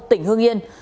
tỉnh hương yên